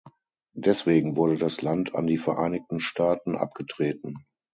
Deswegen wurde das Land an die Vereinigten Staaten abgetreten.